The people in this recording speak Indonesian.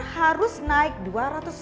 oke kalau begitu bulan depan